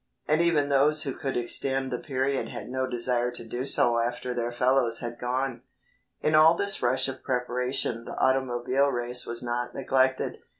And even those who could extend the period had no desire to do so after their fellows had gone. In all this rush of preparation the automobile race was not neglected.